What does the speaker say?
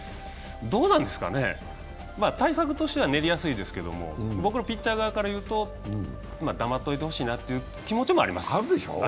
どうなんですかね、対策としては練りやすいですけど、僕らピッチャー側から言うと黙っておいてほしいなという気持ちもあります。